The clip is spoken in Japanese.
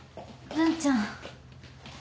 「文ちゃん」？